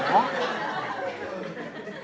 เป็นไงล่ะ